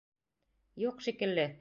Юҡ шикелле.